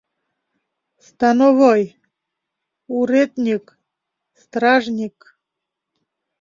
Становой, уредньык, стражньык...